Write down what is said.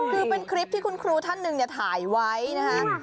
คือเป็นคลิปที่คุณครูท่านหนึ่งเนี่ยถ่ายไว้นะฮะ